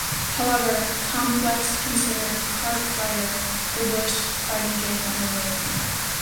However, "Complex" considered "Kart Fighter" the worst fighting game ever made.